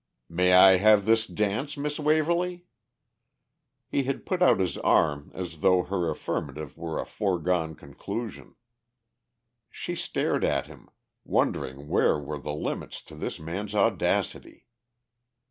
"May I have this dance, Miss Waverly?" He had put out his arm as though her affirmative were a foregone conclusion. She stared at him, wondering where were the limits to this man's audacity.